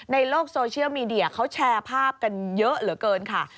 ในโลกโซเชียลมีเดียเขาแชร์ภาพกันเยอะเหลือเกินค่ะ